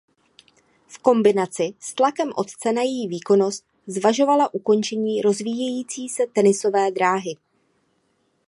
V kombinaci s tlakem otce na její výkonnost zvažovala ukončení rozvíjející se tenisové dráhy.